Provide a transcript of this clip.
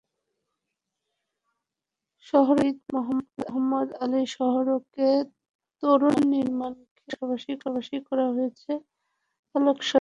শহরের শহীদ মোহাম্মদ আলী সড়কে তোরণ নির্মাণের পাশাপাশি করা হয়েছে আলোকসজ্জা।